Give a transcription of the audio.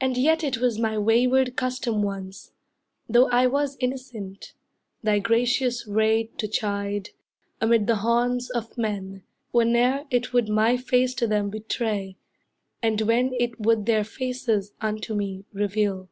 And yet it was my wayward custom once, Though I was innocent, thy gracious ray To chide, amid the haunts of men, whene'er It would my face to them betray, and when It would their faces unto me reveal.